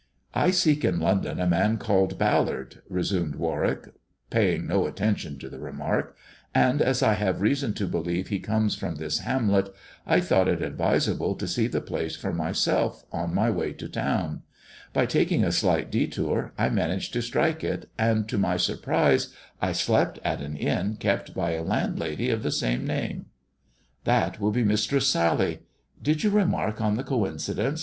" I seek in London a man called Ballard/' resumed War wicky paying no attention to the remark, *' and as I hav( reason to believe be comes from this bamlet, I thought ii advisable to see the place for myself on my way to town By taking a slight detour I managed to strike it, and, tc my surprise, I slept at an inn kept by a landlady of the same nama" " That will be Mistress Sally. Did you remark on the coincidence